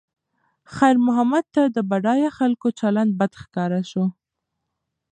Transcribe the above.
خیر محمد ته د بډایه خلکو چلند بد ښکاره شو.